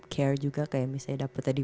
care juga kayak misalnya dapetnya di